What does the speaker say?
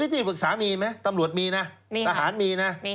ที่ปรึกษามีไหมตำรวจมีนะทหารมีนะ